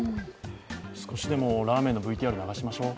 少しでもラーメンのＶＴＲ流しましょ。